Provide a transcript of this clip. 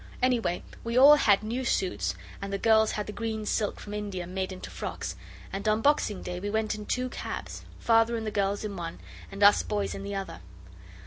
Anyway we all had new suits, and the girls had the green silk from India made into frocks, and on Boxing Day we went in two cabs Father and the girls in one, and us boys in the other.